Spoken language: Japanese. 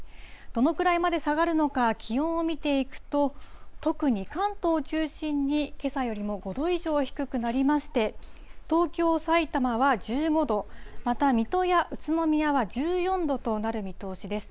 どのくらいまで下がるのか、気温を見ていくと、特に関東中心に、けさよりも５度以上低くなりまして、東京、さいたまは１５度、また水戸や宇都宮は１４度となる見通しです。